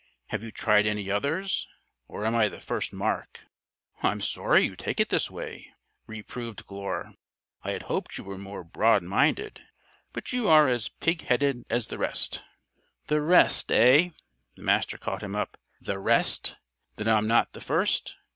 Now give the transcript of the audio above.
Have you tried any others? Or am I the first mark?" "I'm sorry you take it this way," reproved Glure. "I had hoped you were more broad minded, but you are as pig headed as the rest." "The 'rest,' hey?" the Master caught him up. "The 'rest?' Then I'm not the first?